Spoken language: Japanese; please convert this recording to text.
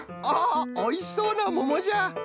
おおいしそうなももじゃ。